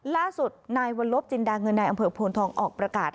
ล่าสุดนายวัลลบจินดาเงินในอำเภอโพนทองออกประกาศ